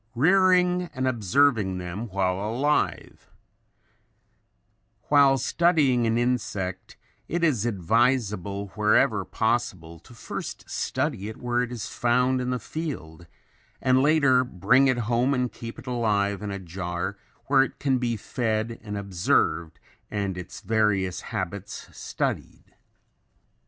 ] Rearing and Observing Them While Alive While studying an insect it is advisable wherever possible to first study it where it is found in the field and later bring it home and keep it alive in a jar where it can be fed and observed and its various habits studied.